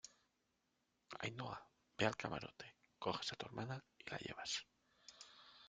Ainhoa, ve al camarote , coges a tu hermana y la llevas